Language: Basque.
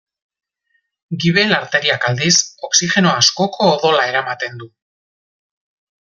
Gibel arteriak aldiz, oxigeno askoko odola eramaten du.